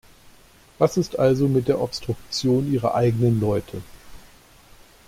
Was ist also mit der Obstruktion Ihrer eigenen Leute?